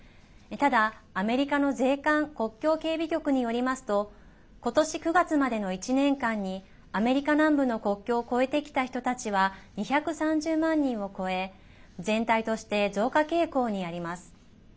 ただ、アメリカの税関・国境警備局によりますと今年９月までの１年間にアメリカ南部の国境を越えてきた人たちは２３０万人を超え全体として増加傾向にあります。